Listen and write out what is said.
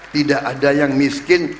tidak ada yang miskin